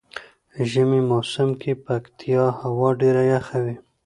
ژمی موسم کې پکتيا هوا ډیره یخه وی.